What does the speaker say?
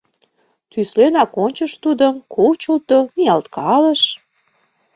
Тӱсленак ончыш тудым, кучылто, ниялткалыш.